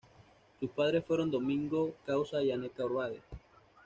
Sus padres fueron Domingo Causa y Ana Carbone.